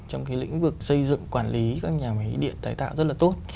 trong cái lĩnh vực xây dựng quản lý các nhà máy điện tái tạo rất là tốt